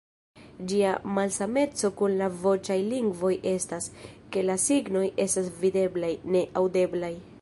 Ĝia malsameco kun la voĉaj lingvoj estas, ke la signoj estas videblaj, ne aŭdeblaj.